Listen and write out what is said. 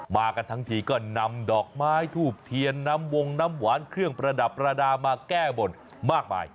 มากันทั้งทีก็นำดอกไม้ทูบเทียนน้ำวงน้ำหวานเครื่องประดับประดามาแก้บนมากมาย